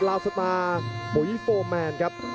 ลาวสตาร์ปุ๋ยโฟร์แมนครับ